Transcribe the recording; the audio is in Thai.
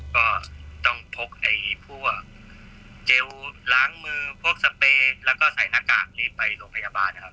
ก็ต้องพกไอ้พวกเจลล้างมือพวกสเปย์แล้วก็ใส่หน้ากากนี้ไปโรงพยาบาลนะครับ